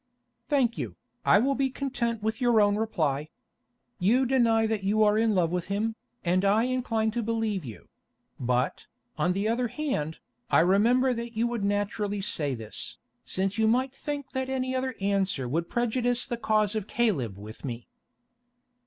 "Thank you, I will be content with your own reply. You deny that you are in love with him, and I incline to believe you; but, on the other hand, I remember that you would naturally say this, since you might think that any other answer would prejudice the cause of Caleb with me."